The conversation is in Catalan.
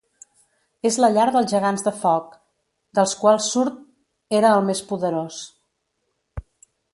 És la llar dels Gegants de Foc, dels quals Surt era el més poderós.